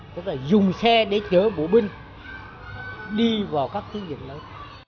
tức là dùng xe để chở bộ binh đi vào các chiến dịch lớn